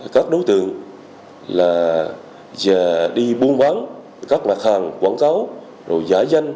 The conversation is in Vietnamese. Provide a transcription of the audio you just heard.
các đối tượng đi buôn bán các mặt hàng quảng cáo rồi giả danh